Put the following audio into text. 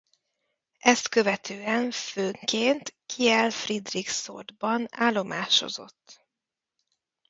Ezt követően főként Kiel-Friedrichsortban állomásozott.